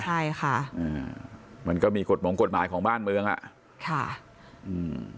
ใช่ค่ะอ่ามันก็มีกฎหมงกฎหมายของบ้านเมืองอ่ะค่ะอืม